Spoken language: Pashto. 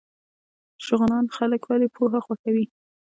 شغنان خلک ولې پوهه خوښوي؟